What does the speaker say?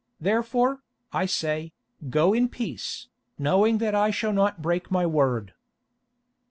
Therefore, I say, go in peace, knowing that I shall not break my word."